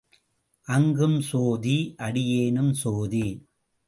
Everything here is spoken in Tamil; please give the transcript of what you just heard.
அங்கும் சோதி அடியேனும் சோதி.